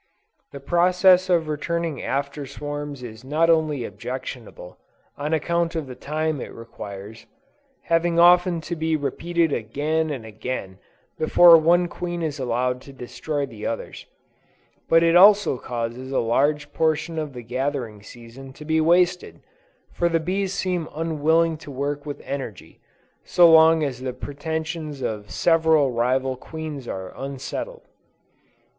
The process of returning after swarms is not only objectionable, on account of the time it requires, having often to be repeated again and again before one queen is allowed to destroy the others; but it also causes a large portion of the gathering season to be wasted; for the bees seem unwilling to work with energy, so long as the pretensions of several rival queens are unsettled.